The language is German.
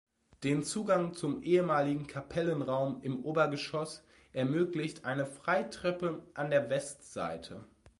Den Zugang zum ehemaligen Kapellenraum im Obergeschoss ermöglicht eine Freitreppe an der Westseite.